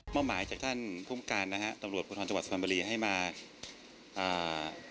เมื่อหมายจากท่านภูมิการนะฮะตำรวจผู้ชมทางจังหวัดสมันบรีให้มาอ่า